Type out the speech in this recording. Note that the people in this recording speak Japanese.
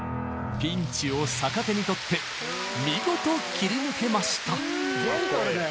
ピンチを逆手にとって見事切り抜けました。